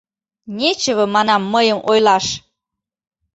Нечево, манам, мыйым ойлаш...